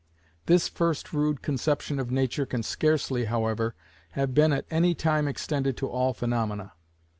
This first rude conception of nature can scarcely, however, have been at any time extended to all phaenomena.